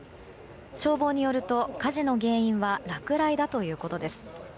消防によると、火事の原因は落雷だということです。